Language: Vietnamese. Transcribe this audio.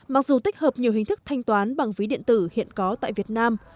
mặc dù tích hợp nhiều hình thức thanh toán bằng ví điện tử hiện có tại việt nam